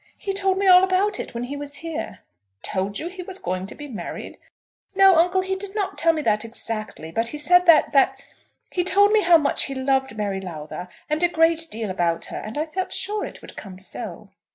"He told me all about it when he was here." "Told you he was going to be married?" "No, uncle, he did not tell me that exactly; but he said that that . He told me how much he loved Mary Lowther, and a great deal about her, and I felt sure it would come so."